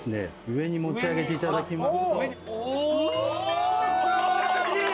上に持ち上げていただきますと。